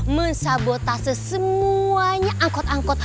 mensabotase semuanya angkot angkot